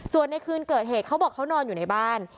ส่วนในคืนเกิดเหตุเขาบอกเขานอนอยู่ในบ้าน